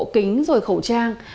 kính rồi khẩu trang